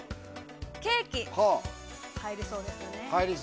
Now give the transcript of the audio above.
ケーキ入りそうですよね？